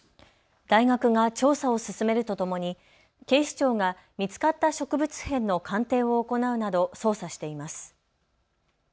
大学が調査を進めるとともに警視庁が見つかった植物片の鑑定を行うなど捜査しています。